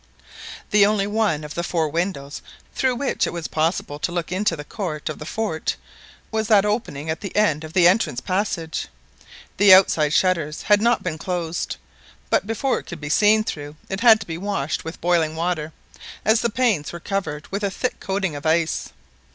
The only one of the four windows through which it was possible to look into the court of the fort was that opening at the end of the entrance passage. The outside shutters had not been closed; but before it could be seen through it had to be washed with boiling water, as the panes were covered with a thick coating of ice.